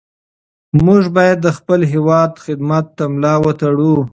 موږ باید د خپل هېواد خدمت ته ملا وتړو.